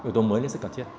tôi mới lên sức cần thiết